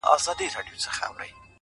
مخ ځيني واړوه ته؛